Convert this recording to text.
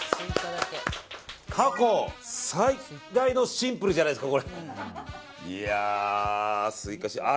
過去最大のシンプルじゃないですか？